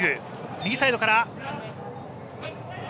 右サイドから。